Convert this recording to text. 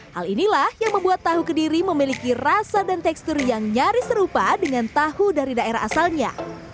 hal inilah yang membuat tahu kediri memiliki rasa dan tekstur yang nyaris serupa dengan tahu dari daerah asalnya